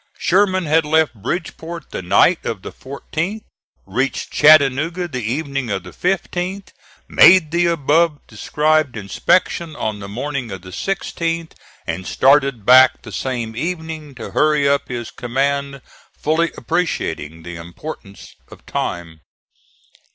Sherman had left Bridgeport the night of the 14th, reached Chattanooga the evening of the 15th, made the above described inspection on the morning of the 16th, and started back the same evening to hurry up his command, fully appreciating the importance of time.